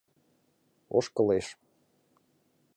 Ошкылеш.